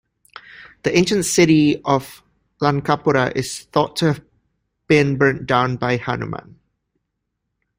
The ancient city of Lankapura is thought to have been burnt down by Hanuman.